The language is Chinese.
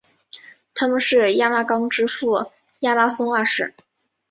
他们是亚拉冈之父亚拉松二世。